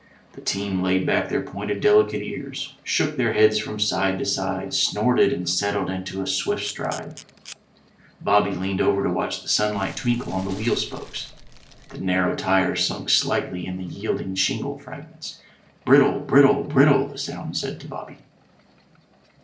The team laid back their pointed delicate ears, shook their heads from side to side, snorted and settled into a swift stride. 125 MY BOOK HOUSE Bobby leaned over to watch the sunlight twinkle on the wheel spokes. The narrow tires sunk slightly in the yielding shingle fragments. Brittle! Brittle! Brittle! the sound said to Bobby.